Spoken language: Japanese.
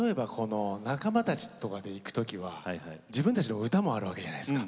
仲間たちと行く時は自分たちの歌もあるわけじゃないですか。